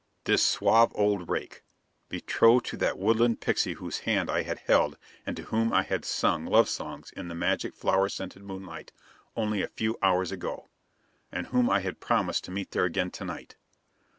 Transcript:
This suave old rake! Betrothed to that woodland pixie whose hand I had held and to whom I had sung love songs in the magic flower scented moonlight only a few hours ago! And whom I had promised to meet there again to night!